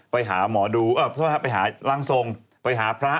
ไปหาหล่างทรงไปหาพระ